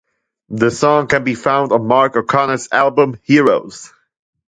The song can be found on Mark O'Connor's album, "Heroes".